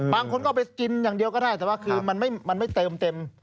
บางคนก็ไปกินอย่างเดียวก็ได้แต่ว่าคือมันไม่เติมเต็ม